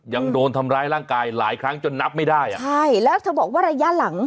ยังโดนทำร้ายร่างกายหลายครั้งจนนับไม่ได้อ่ะใช่แล้วเธอบอกว่าระยะหลัง